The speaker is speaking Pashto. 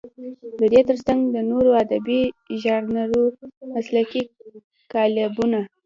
د دې تر څنګ د نورو ادبي ژانرونو مسلکي قالبونه.